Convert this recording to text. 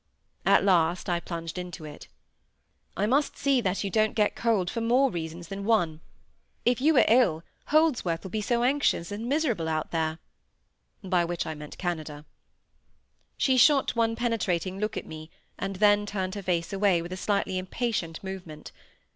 At last I plunged into it. "I must see that you don't get cold for more reasons than one; if you are ill, Holdsworth will be so anxious and miserable out there" (by which I meant Canada)— She shot one penetrating look at me, and then turned her face away with a slightly impatient movement.